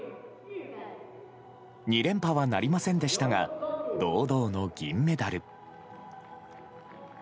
２連覇はなりませんでしたが堂々の銀メダル。